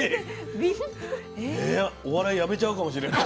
お笑いやめちゃうかもしれない。